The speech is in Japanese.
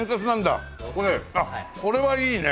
あっこれはいいね。